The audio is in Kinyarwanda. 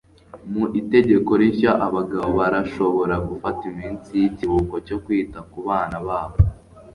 mu itegeko rishya, abagabo barashobora gufata iminsi yikiruhuko cyo kwita kubana babo